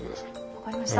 分かりました。